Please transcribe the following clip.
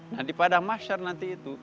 nah di padang masyar nanti itu